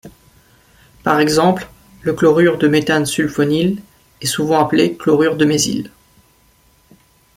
Par exemple, le chlorure de méthanesulfonyle est souvent appelé chlorure de mésyle.